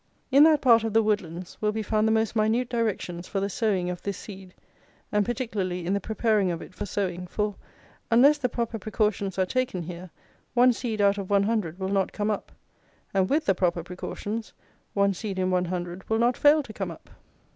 In that part of The Woodlands will be found the most minute directions for the sowing of this seed, and particularly in the preparing of it for sowing; for, unless the proper precautions are taken here, one seed out of one hundred will not come up; and, with the proper precautions, one seed in one hundred will not fail to come up.